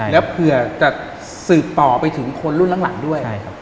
แล้วเผื่อจะสืบต่อไปถึงคนรุ่นหลังด้วย